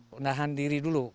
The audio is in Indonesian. menahan diri dulu